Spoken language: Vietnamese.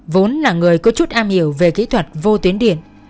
vốn là người có chút am hiểu về kỹ thuật vô tuyến điện